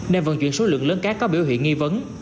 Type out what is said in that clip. nên vận chuyển số lượng lớn cát có biểu hiện nghi vấn